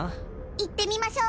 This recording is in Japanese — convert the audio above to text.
行ってみましょう。